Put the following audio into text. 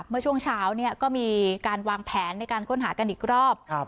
เมื่อช่วงเช้าเนี่ยก็มีการวางแผนในการค้นหากันอีกรอบ